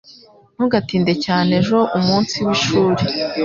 Ntugatinde cyane. Ejo umunsi w'ishuri.